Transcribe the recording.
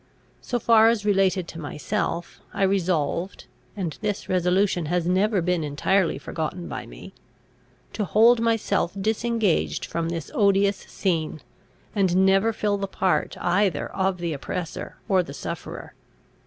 So far as related to myself, I resolved and this resolution has never been entirely forgotten by me to hold myself disengaged from this odious scene, and never fill the part either of the oppressor or the sufferer.